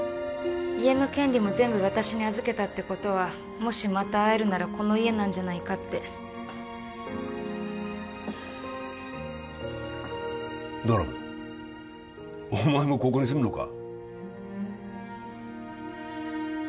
家の権利も全部私に預けたってことはもしまた会えるならこの家なんじゃないかってドラムお前もここに住むのか？